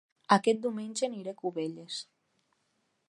Aquest diumenge aniré a Cubelles